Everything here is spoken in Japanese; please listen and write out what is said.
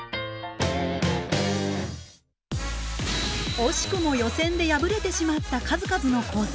惜しくも予選で敗れてしまった数々の高専。